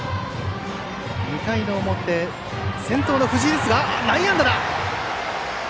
２回表、先頭の藤井ですが内野安打だ。